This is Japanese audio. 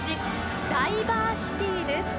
ダイバー・シティーです。